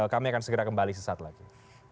kami akan segera kembali sesaat lagi